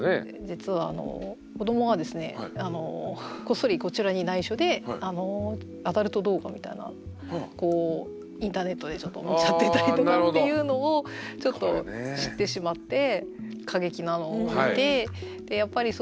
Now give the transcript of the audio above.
実は子どもがですねこっそりこちらに内緒でアダルト動画みたいなこうインターネットでちょっと見ちゃってたりとかっていうのをちょっと知ってしまって。